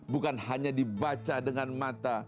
bukan hanya dibaca dengan mata